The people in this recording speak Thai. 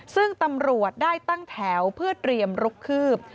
ซึ่งตำรวจได้ตั้งแถวเพื่อเตรียมลุกคืบ